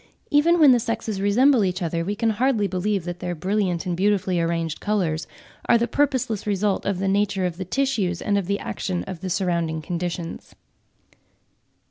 Even when the sexes resemble each other, we can hardly believe that their brilliant and beautifully arranged colours are the purposeless result of the nature of the tissues and of the action of the surrounding conditions.